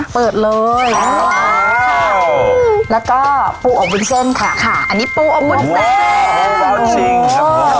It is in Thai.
เปิดเลยแล้วก็ปูอบวุ้นเส้นค่ะค่ะอันนี้ปูอบวุ้นเส้น